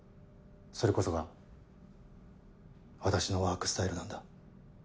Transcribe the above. それこそが私のワークスタイルなんだ。